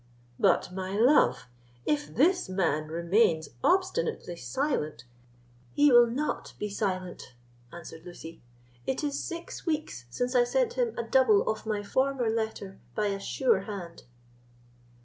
"But, my love, if this man remains obstinately silent——" "He will not be silent," answered Lucy; "it is six weeks since I sent him a double of my former letter by a sure hand."